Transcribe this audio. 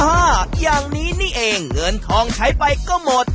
อย่างนี้นี่เองเงินทองใช้ไปก็หมด